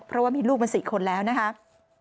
เพราะว่ามีลูกมา๔คนแล้วนะครับ